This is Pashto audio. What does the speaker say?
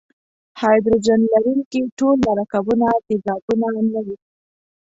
هایدروجن لرونکي ټول مرکبونه تیزابونه نه وي.